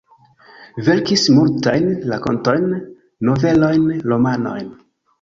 Verkis multajn rakontojn, novelojn, romanojn.